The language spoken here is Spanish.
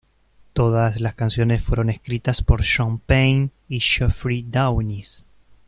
Todas las canciones fueron escritas por John Payne y Geoffrey Downes